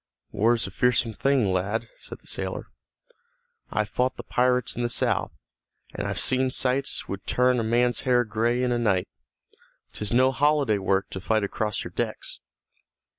"War's a fearsome thing, lad," said the sailor. "I've fought the pirates in the south, and I've seen sights would turn a man's hair gray in a night. 'Tis no holiday work to fight across your decks."